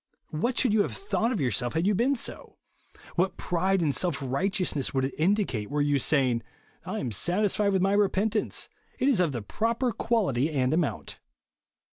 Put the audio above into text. What should you have thought of yourself had you been so 1 What pride and self righteousness would it indicate, were you saying, " I am satisfied with my repentance, — it is of the proper quality and amount."